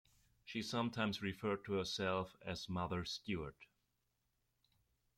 She sometimes referred to herself as Mother Stewart.